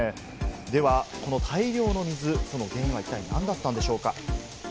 では、この大量の水、その原因は一体何だったんでしょうか？